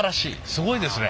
すごいですね。